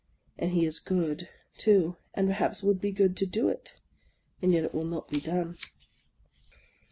And he is good, too, and perhaps would be glad to do it ; and yet it will not be done